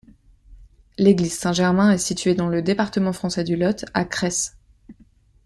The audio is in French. L'église Saint-Germain est située dans le département français du Lot, à Creysse.